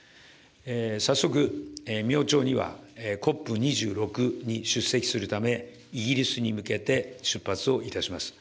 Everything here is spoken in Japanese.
早速、明朝にはＣＯＰ２６に出席するため、イギリスに向けて出発をいたします。